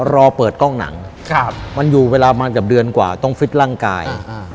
รอเปิดกล้องหนังมันอยู่เวลาประมาณเกือบเดือนกว่าต้องฟิตร่างกาย